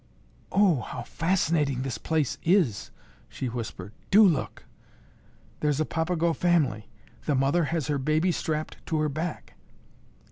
"Oh, how fascinating this place is!" she whispered. "Do look! There's a Papago family. The mother has her baby strapped to her back."